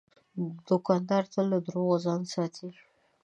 دوکاندار تل له دروغو ځان ساتي.